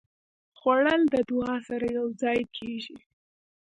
خوړل د دعا سره یوځای کېږي